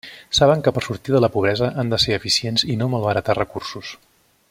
Saben que per sortir de la pobresa han de ser eficients i no malbaratar recursos.